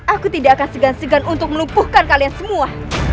aku tidak akan segan segan untuk melumpuhkan kalian semua